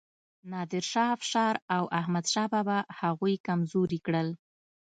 نادر شاه افشار او احمد شاه بابا هغوی کمزوري کړل.